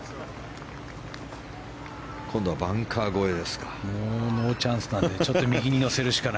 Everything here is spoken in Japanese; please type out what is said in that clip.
今度はバンカー越えですか。